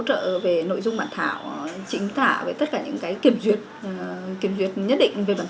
trợ về nội dung bản thảo chỉnh thả về tất cả những cái kiểm duyệt kiểm duyệt nhất định về bản